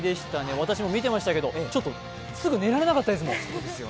私も見てましたけど、すぐ寝られなかったですもん。